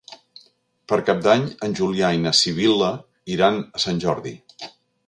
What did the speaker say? Per Cap d'Any en Julià i na Sibil·la iran a Sant Jordi.